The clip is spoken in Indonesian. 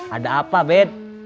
ada apa bet